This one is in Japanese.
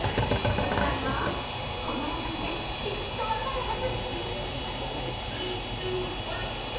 正解は、この音楽できっと分かるはず。